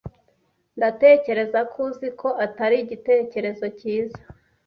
Ndatekereza ko uzi ko atari igitekerezo cyiza.